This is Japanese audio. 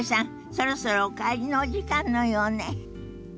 そろそろお帰りのお時間のようね。